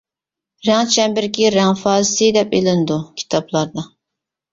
رەڭ چەمبىرىكى رەڭ فازىسى دەپ ئېلىنىدۇ كىتابلاردا.